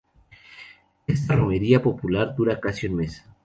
Esta romería popular dura casi un mes.